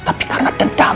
tapi karena dendam